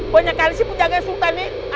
banyak kali sih pun jangan sultan nih